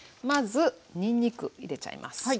まずにんにく入れちゃいます。